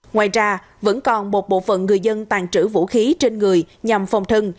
ngoài ra vẫn còn một bộ phận người dân tàn trữ vũ khí trên người nhằm phòng thân